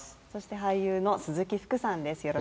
そして俳優の鈴木福さんです